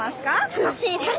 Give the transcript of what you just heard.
楽しいです。